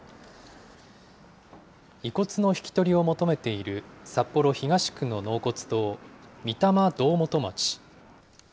遺骨の引き取りを求めている札幌東区の納骨堂、御霊堂元町。